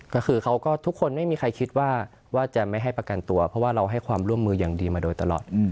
ก็คือเขาก็ทุกคนไม่มีใครคิดว่าจะไม่ให้ประกันตัวเพราะว่าเราให้ความร่วมมืออย่างดีมาโดยตลอด